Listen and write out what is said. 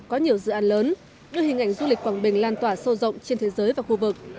có nhiều dự án lớn đưa hình ảnh du lịch quảng bình lan tỏa sâu rộng trên thế giới và khu vực